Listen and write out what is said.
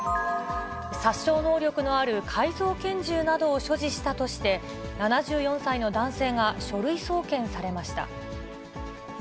殺傷能力のある改造拳銃などを所持したとして、７４歳の男性が書類送検されました。